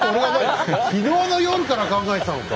昨日の夜から考えてたのか！